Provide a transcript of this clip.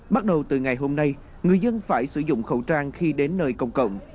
bắt đầu từ ngày hôm nay người dân phải sử dụng khẩu trang khi đến nơi công cộng